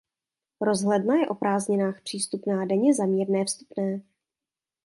Rozhledna je o prázdninách přístupná denně za mírné vstupné.